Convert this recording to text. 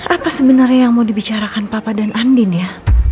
apa sebenarnya yang mau dibicarakan papa dan andin ya